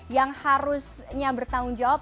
yang harusnya bertanggung jawab